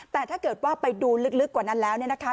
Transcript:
แต่ถ้าเกิดว่าไปดูลึกกว่านั้นแล้วเนี่ยนะคะ